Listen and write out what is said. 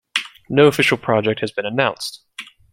No official project has been announced.